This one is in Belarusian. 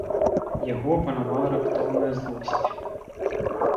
Яго апанавала раптоўная злосць.